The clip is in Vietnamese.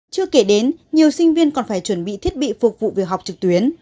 chưa kể đến nhiều sinh viên còn phải chuẩn bị thiết bị phục vụ việc học trực tuyến